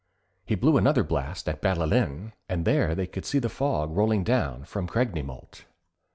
He blew another blast at Ballellin, for there they could see the fog rolling down from Creg ny Molt.